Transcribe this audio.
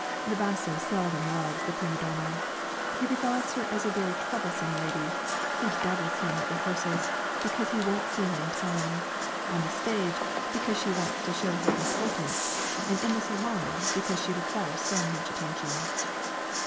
The basso seldom loves the prima donna. He regards her as a very troublesome lady, who devils him at rehearsals, because he won't sing in time; on the stage, because she wants to show her importance; and in the salon, because she requires so much attention.